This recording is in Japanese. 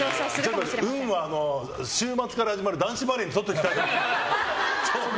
運は、週末から始まる男子バレーにとっておきたい。